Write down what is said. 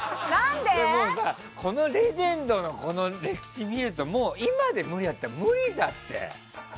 このレジェンドの歴史見るともう今で無理なら無理だって。